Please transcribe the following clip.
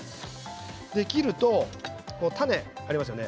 切ると種がありますよね。